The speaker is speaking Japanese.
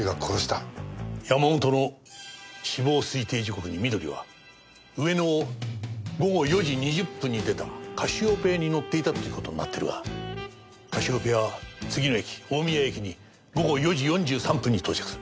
山本の死亡推定時刻に美登里は上野を午後４時２０分に出たカシオペアに乗っていたという事になっているがカシオペアは次の駅大宮駅に午後４時４３分に到着する。